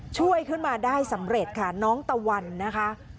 ช่วยขึ้นมาได้สำเร็จค่ะน้องตะวันนะคะ